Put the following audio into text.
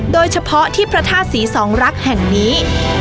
โดยเฉพาะที่พระธาตุศรีสองรักษ์แห่งนี้